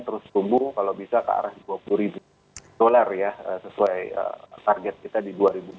terus tumbuh kalau bisa ke arah dua puluh ribu dollar ya sesuai target kita di dua ribu empat puluh dua ribu empat puluh lima